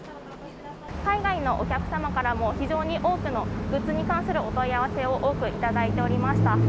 海外のお客様からも非常に多くのグッズに関するお問い合わせを多く頂いておりました。